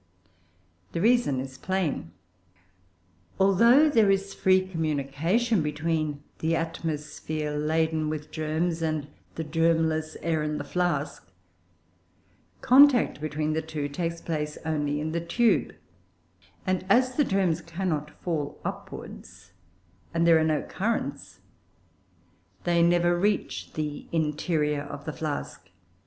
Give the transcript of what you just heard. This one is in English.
The reason is plain. Although there is free communication between the atmosphere laden with germs and the germless air in the flask, contact between the two takes place only in the tube; and as the germs cannot fall upwards, and there are no currents, they never reach the interior of the flask.